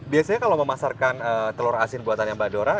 biasanya kalau memasarkan telur asin buatannya mbak dora